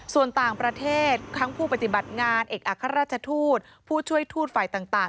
ส่วนต่างประเทศทั้งผู้ปฏิบัติงานเอกอัครราชทูตผู้ช่วยทูตฝ่ายต่าง